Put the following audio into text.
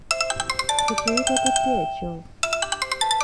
Tukiyite tutya ekyo?